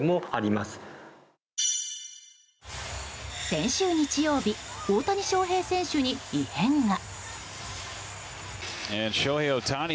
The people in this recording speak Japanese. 先週日曜日大谷翔平選手に異変が。